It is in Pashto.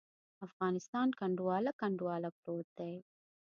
افغانستان کنډواله، کنډواله پروت دی.